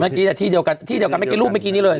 เมื่อกี้อ่ะที่เดียวกันที่เดียวกันไม่กินลูกไม่กินนี่เลย